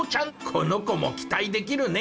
この子も期待できるね。